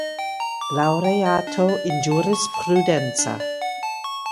Laureato in Giurisprudenza.